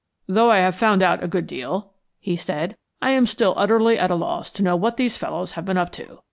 "Though I have found out a good deal," he said, "I am still utterly at a loss to know what these fellows have been up to.